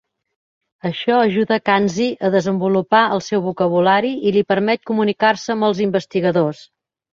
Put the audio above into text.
Això ajuda Kanzi a desenvolupar el seu vocabulari i li permet comunicar-se amb els investigadors.